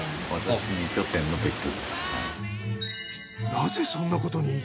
なぜそんなことに？